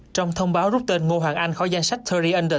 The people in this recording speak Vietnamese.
trong thông báo rút tên ngo hoàng anh khỏi danh sách ba mươi under ba mươi